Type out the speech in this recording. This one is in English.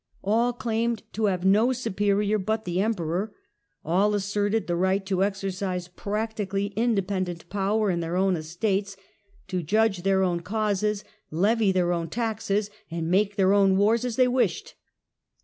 AH claimed to have no superior but the Emperor ; all as serted the right to exercise practically independent power in their own estates, to judge their own causes, levy their own taxes, and make their own wars as they wished.